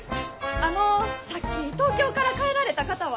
あのさっき東京から帰られた方は？